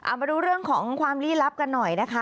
เอามาดูเรื่องของความลี้ลับกันหน่อยนะคะ